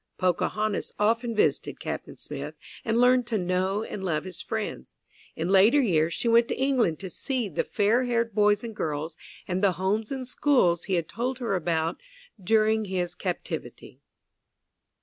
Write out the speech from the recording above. Pocahontas often visited Captain Smith, and learned to know and love his friends. In later years she went to England to see the fair haired boys and girls and the homes and schools he had told her about during his captivity.